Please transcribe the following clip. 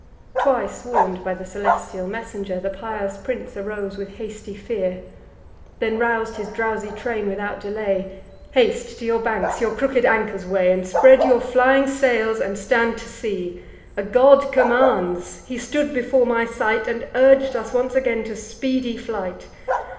Twice warn'd by the celestial messenger, The pious prince arose with hasty fear; Then rous'd his drowsy train without delay: "Haste to your banks; your crooked anchors weigh, And spread your flying sails, and stand to sea. A god commands: he stood before my sight, And urg'd us once again to speedy flight.